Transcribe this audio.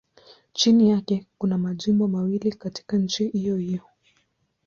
Chini yake kuna majimbo mawili katika nchi hiyohiyo.